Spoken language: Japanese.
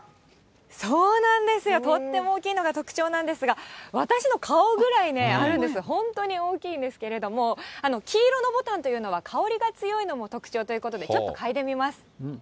そうなんですよ、とっても大きいのが特徴なんですが、私の顔ぐらいあるんですよ、本当に大きいんですけれども、黄色のぼたんというのは、香りが強いのも特徴ということで、ちょっと嗅いでみます。